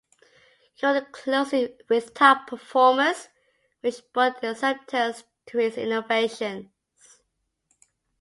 He worked closely with top performers, which brought acceptance to his innovations.